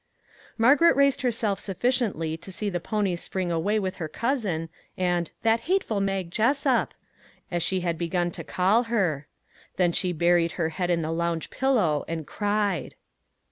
Margaret raised herself sufficiently to see the ponies spring away with her cousin and " that hateful Mag Jessup," as she had begun to call her; then she buried her head in the lounge pillow and cried.